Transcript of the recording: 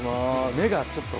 目がちょっと。